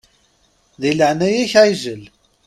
Di leɛnaya-k ɛijel!